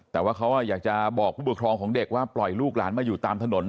แต่ว่าเขาอยากจะบอกผู้ปกครองของเด็กว่าปล่อยลูกหลานมาอยู่ตามถนน